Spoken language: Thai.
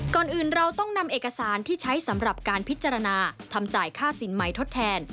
ก่อนอื่นเราต้องนำเอกสารที่ใช้สำหรับการพิจารณาทำจ่ายค่าสินใหม่ทดแทน